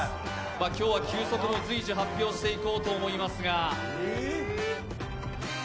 今日は、球速も随時発表していこうと思いますが。